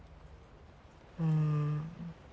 うん。